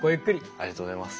ありがとうございます。